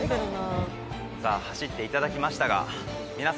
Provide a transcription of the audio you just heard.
「さあ走っていただきましたが」